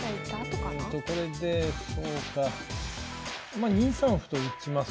まあ２三歩と打ちます。